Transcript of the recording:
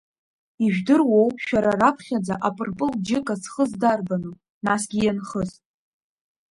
Ижәдыруоу шәара раԥхьаӡа апырпыл џьыка зхыз дарбану, насгьы ианхыз?